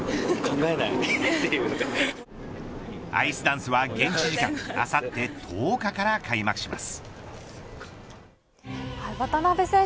アイスダンスは現地時間あさって１０日から開幕します。